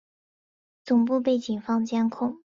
总部被警方监控。